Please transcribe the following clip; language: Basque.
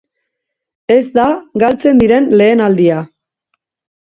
Ez da galtzen diren lehen aldia.